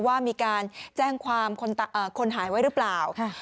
ว่ามีการแจ้งความคนหายไว้หรือเปล่า